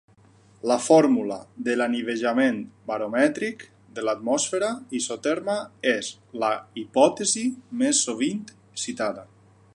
La fórmula de l'anivellament baromètric per l'atmosfera isoterma és la hipòtesi més sovint citada.